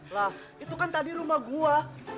lah itu kan tadi rumah gua